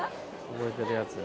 覚えてるやつや。